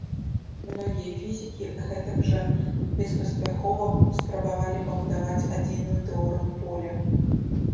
Многія фізікі гэтак жа беспаспяхова спрабавалі пабудаваць адзіную тэорыю поля.